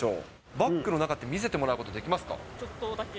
バッグの中って見せてもらうことちょっとだけ。